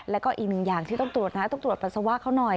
แล้วก็อีกหนึ่งอย่างที่ต้องตรวจนะต้องตรวจปัสสาวะเขาหน่อย